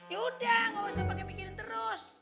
yaudah gak usah pake pikirin terus